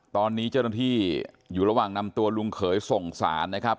ตอนนี้เจ้าหน้าที่อยู่ระหว่างนำตัวลุงเขยส่งสารนะครับ